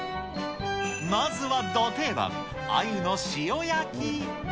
まずはど定番、あゆの塩焼き。